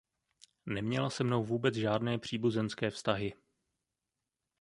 Neměla se mnou vůbec žádné příbuzenské vztahy.